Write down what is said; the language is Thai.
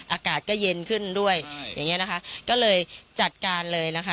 อากาศก็เย็นขึ้นด้วยอย่างเงี้นะคะก็เลยจัดการเลยนะคะ